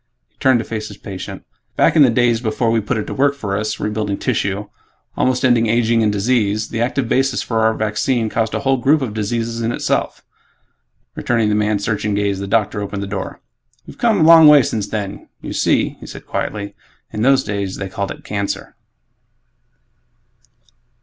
He turned to face his patient, "Back in the days before we put it to work for us rebuilding tissue, almost ending aging and disease the active basis for our vaccine caused a whole group of diseases, in itself." Returning the man's searching gaze, the doctor opened the door, "We've come a long way since then. You see," he said quietly, "in those days they called it 'cancer'."